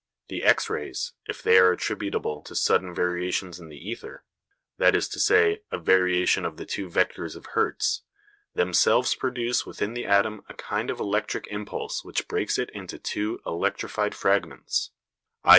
The X rays, if they are attributable to sudden variations in the ether that is to say, a variation of the two vectors of Hertz themselves produce within the atom a kind of electric impulse which breaks it into two electrified fragments; _i.